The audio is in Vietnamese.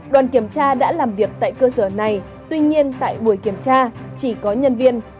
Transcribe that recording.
đoàn kiểm tra đã làm việc tại cơ sở này tuy nhiên tại buổi kiểm tra chỉ có nhân viên